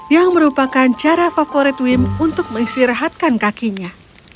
yang merupakan cara favorit wim untuk mengistirahatkan kakinya